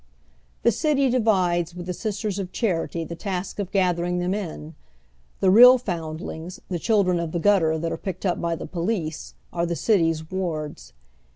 The city divides with the Sisters of Charity the task of gatliering them in. The real fonndlings, the children of the gutter that are picked up by the police, are the city's wards.